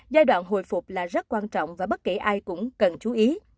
giai đoạn hồi phục là rất quan trọng và bất kể ai cũng cần chú ý